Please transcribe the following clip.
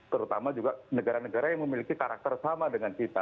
terutama juga negara negara yang memiliki karakter sama dengan kita